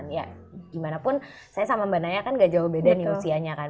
ya gimana pun saya sama mbak naya kan gak jauh beda usianya kan